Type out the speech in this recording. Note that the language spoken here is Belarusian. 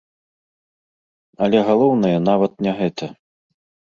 Але галоўнае нават не гэта.